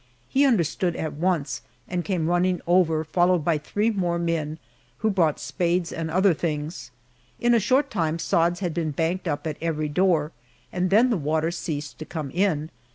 He understood at once and came running over, followed by three more men, who brought spades and other things. In a short time sods had been banked up at every door, and then the water ceased to come in.